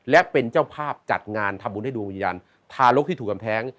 และเป็นเจ้าภาพจัดงานทำบุญให้ดวงวิญญาณทารกที่ถูกกำแท้ง